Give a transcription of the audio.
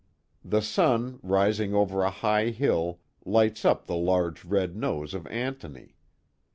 The sun, rising over a high hill, lights up the large red nose of Antony.